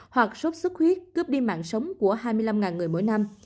hoặc sốt xuất huyết cướp đi mạng sống của hai mươi năm người mỗi năm